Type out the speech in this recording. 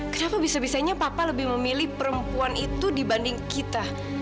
kenapa bisa bisanya papa lebih memilih perempuan itu dibanding kita